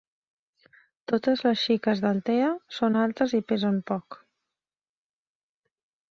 Totes les xiques d’Altea són altes i pesen poc.